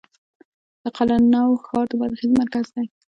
د قلعه نو ښار د بادغیس مرکز دی